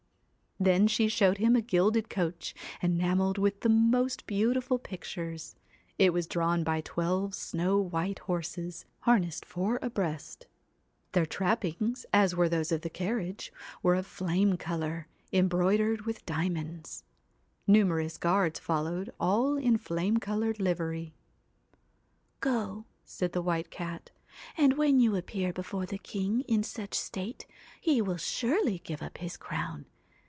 Then she showed him a gilded coach enamelled 216 with the most beautiful pictures. It was drawn THE by twelve snow white horses, harnessed four w r H A I J E abreast; their trappings, as were those of the CA1 carriage, were of flame colour, embroidered with diamonds. Numerous guards followed all in flame coloured livery. ' Go,' said the White Cat, ' and when you appear before the king in such state, he will surely give up his crown.